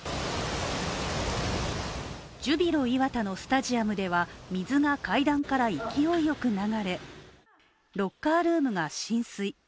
ジュビロ磐田のスタジアムでは水が階段から勢いよく流れ、ロッカールームが浸水。